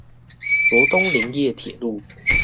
羅東林業鐵路